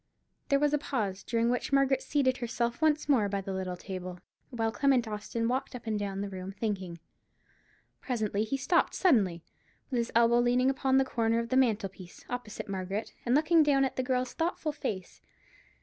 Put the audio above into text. There was a pause, during which Margaret seated herself once more by the little table, while Clement Austin walked up and down the room thinking. Presently he stopped suddenly, with his elbow leaning upon the corner of the mantel piece, opposite Margaret, and looked down at the girl's thoughtful face.